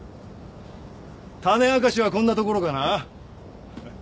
種明かしはこんなところかな。